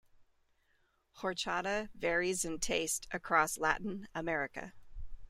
Horchata varies in taste across Latin America.